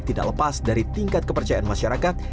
tidak lepas dari tingkat kepercayaan masyarakat